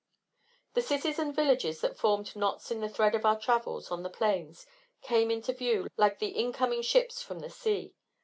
The cities and villages, that formed knots in the thread of our travels on the plains, came into view like the incoming ships from the sea.